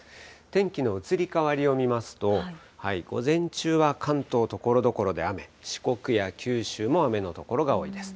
天気の移り変わりを見ますと、午前中は関東、ところどころで雨、四国や九州も雨の所が多いです。